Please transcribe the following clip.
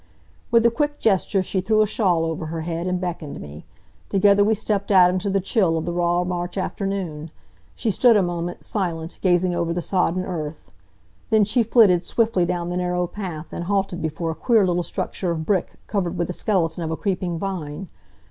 With a quick gesture she threw a shawl over her head, and beckoned me. Together we stepped out into the chill of the raw March afternoon. She stood a moment, silent, gazing over the sodden earth. Then she flitted swiftly down the narrow path, and halted before a queer little structure of brick, covered with the skeleton of a creeping vine.